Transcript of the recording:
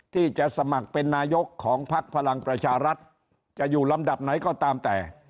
ที่จะสมัครเป็นนายกของพักพลังประชารัฐจะอยู่ลำดับไหนก็ตามแต่